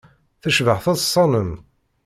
Tecbeḥ teḍsa-nnem.